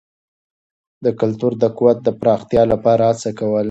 د کلتور د قوت د پراختیا لپاره هڅه کول.